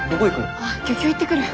ああ漁協行ってくる。